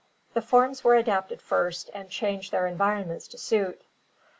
4. The forms were adapted first and changed their environ ment to suit.